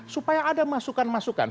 supaya ada masukan masukan